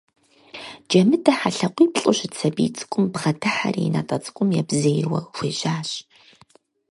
Джэмыдэ хьэлъакъуиплӀу щыт сабий цӀыкӀум бгъэдыхьэри и натӀэ цӀыкӀум ебзейуэ хуежьащ.